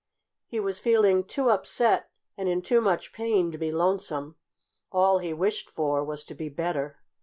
He was feeling too upset and in too much pain to be lonesome. All he wished for was to be better.